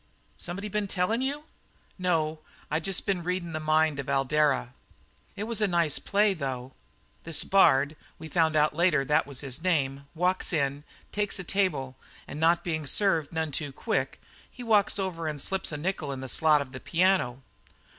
"Somebody been tellin' you?" "No; I just been readin' the mind of Eldara." "It was a nice play, though. This Bard we found out later that was his name walks in, takes a table, and not being served none too quick, he walks over and slips a nickel in the slot of the piano.